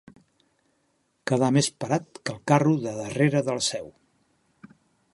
Quedar més parat que el carro de darrere de la Seu.